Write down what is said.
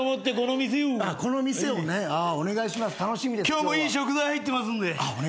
今日もいい食材入ってますんで。